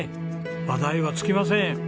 話題は尽きません！